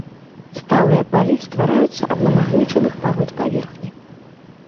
Сталыя палі ствараюцца ад намагнічаных парод паверхні.